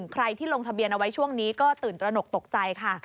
ใครที่ลงทะเบียนเอาไว้ช่วงนี้ก็ตื่นตระหนกตกใจค่ะ